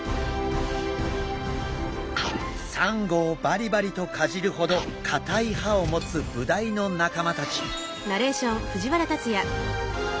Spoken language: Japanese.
サンゴをバリバリとかじるほどかたい歯を持つブダイの仲間たち。